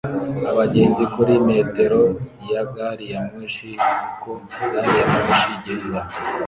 Abagenzi kuri metero ya gari ya moshi uko gari ya moshi igenda